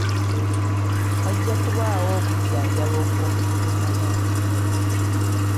Wajja kubaawo okujjanjaba okw'omuddiringanwa mu kitundu.